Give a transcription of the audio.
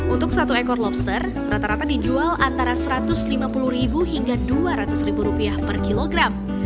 untuk satu ekor lobster rata rata dijual antara rp satu ratus lima puluh hingga rp dua ratus per kilogram